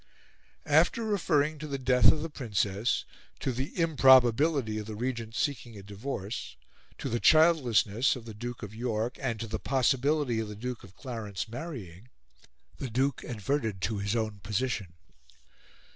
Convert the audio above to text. After referring to the death of the Princess, to the improbability of the Regent's seeking a divorce, to the childlessness of the Duke of York, and to the possibility of the Duke of Clarence marrying, the Duke adverted to his own position.